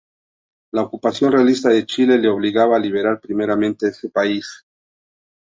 La ocupación realista de Chile le obligaba a liberar primeramente ese país.